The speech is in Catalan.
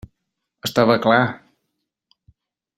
Estava clar!